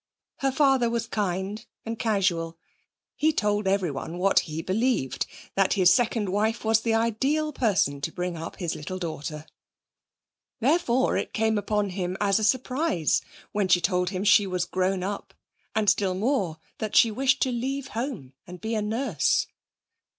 Her father was kind and casual. He told everyone what he believed, that his second wife was an ideal person to bring up his little daughter. Therefore it came upon him as a surprise when she told him she was grown up, and still more that she wished to leave home and be a nurse.